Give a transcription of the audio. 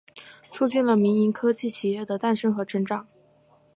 促进了民营科技企业的诞生和成长。